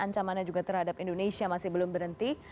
ancamannya juga terhadap indonesia masih belum berhenti